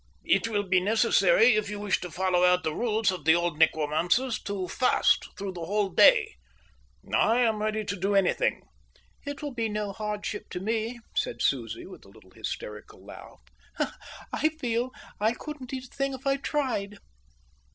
"It will be necessary, if you wish to follow out the rules of the old necromancers, to fast through the whole day." "I am ready to do anything." "It will be no hardship to me," said Susie, with a little hysterical laugh. "I feel I couldn't eat a thing if I tried."